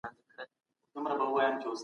که تولید نور هم زیات شي ګټه به ډېره وي.